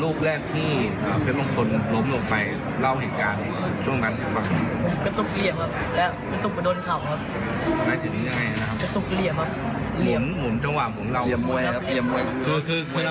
ลูกแรกที่เพชรมงคลล้มลงไปเล่าเหตุการณ์จุดจุดกรรม